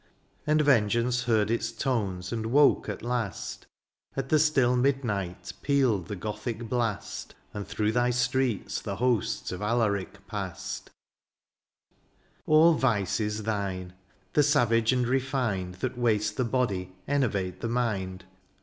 And vengeance heard its tones, and woke at last,— At the still midnight pealed the Gothic blast. And through thy streets the hosts of Alaric passed ! All vices thine, the savage and refined. That waste the body, enervate the mind.